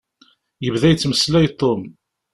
Yebda yettmeslay Tom.